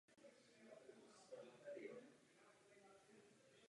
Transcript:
Reliktní povrch náhorní vrchoviny tvoří andezity.